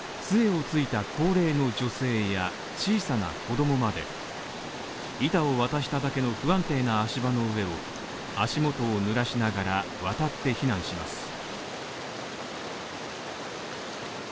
つえをついた高齢の女性や小さな子供まで、板を渡しただけの不安定な足場の上を、足元をぬらしながら、渡って、避難します。